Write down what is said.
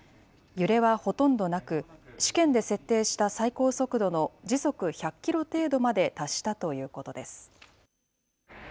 揺れはほとんどなく、試験で設定した最高速度の時速１００キロ程度まで達したということです。